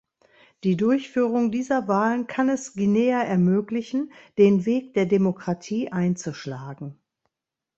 Die Durchführung dieser Wahlen kann es Guinea ermöglichen, den Weg der Demokratie einzuschlagen.